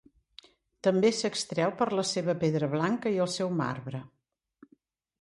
També s'extreu per la seva pedra blanca i el seu marbre.